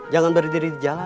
jangan berdiri di jalan